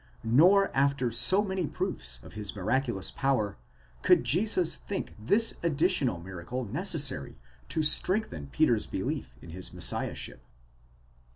Nor after so many proofs of his miraculous power, could Jesus think this additional miracle necessary to strengthen Peter's belief in his messiahship.